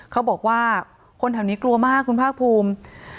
เขาบอกว่าคนแถวนี้กลัวมากคุณภาคภูมิ